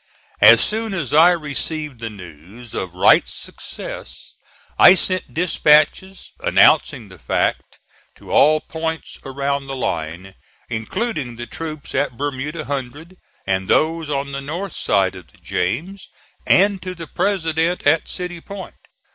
As soon as I received the news of Wright's success, I sent dispatches announcing the fact to all points around the line, including the troops at Bermuda Hundred and those on the north side of the James, and to the President at City Point.